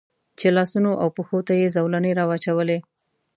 چې لاسونو او پښو ته یې زولنې را واچولې.